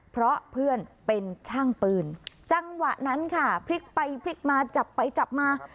เพราะเพื่อนเป็นช่างปืนจังหวะนั้นค่ะพลิกไปพลิกมาจับไปจับมา